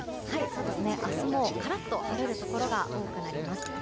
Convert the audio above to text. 明日もカラッと晴れるところが多くなります。